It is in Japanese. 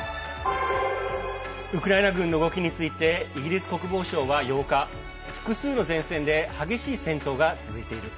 ウクライナ軍の動きについてイギリス国防省は８日複数の前線で激しい戦闘が続いている。